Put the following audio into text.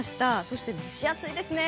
そして蒸し暑いですね。